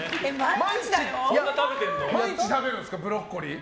毎日食べるんですかブロッコリー。